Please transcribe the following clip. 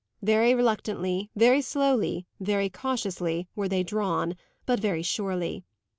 Very reluctantly, very slowly, very cautiously, were they drawn, but very surely.